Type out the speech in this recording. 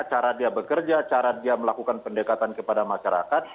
cara dia bekerja cara dia melakukan pendekatan kepada masyarakat